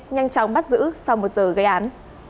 nhanh chóng bắt giữ sau một giờ gây án